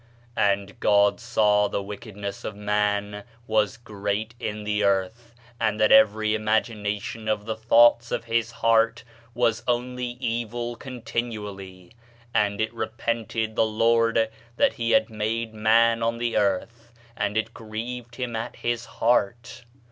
"And God saw that the wickedness of man was great in the earth, and that every imagination of the thoughts of his heart was only evil continually. And it repented the Lord that he had made man on the earth, and it grieved him at his heart.